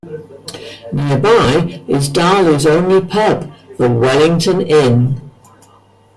Nearby is Darley's only pub, the Wellington Inn.